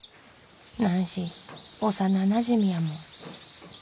なんし幼なじみやもん。